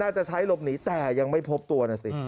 จะใช้หลบหนีแต่ยังไม่พบตัวนะสิ